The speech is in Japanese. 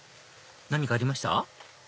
何かありました？